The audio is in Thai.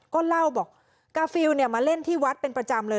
ก็เล่าบอกกาฟิลมาเล่นที่วัดเป็นประจำเลย